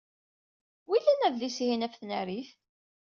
Wilan adlis-ihin ɣef tnarit?